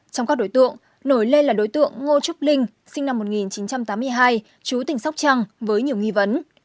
trong các đối tượng nổi lên là đối tượng ngô trúc linh sinh năm một nghìn chín trăm tám mươi hai chú tỉnh sóc trăng với nhiều nghi vấn